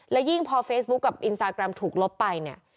และยิ่งพอเฟซบุ๊คกับอินสตาแกรมถูกลบไปเนี่ย